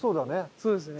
そうですね。